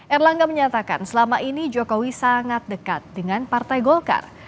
erlangga menyatakan selama ini jokowi sangat dekat dengan partai golkar